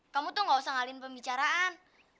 kamu tuh gak usah ngalin pembicaraan